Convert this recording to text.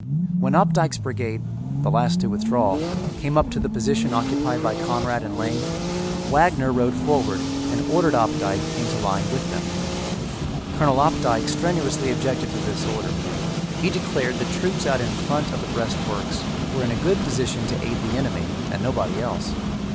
When Opdycke's brigade, the last to withdraw, came up to the position occupied by Conrad and Lane, Wagner rode forward and ordered Opdycke into line with them. Colonel Opdycke strenuously objected to this order. He declared that troops out in front of the breastworks were in a good position to aid the enemy and nobody else.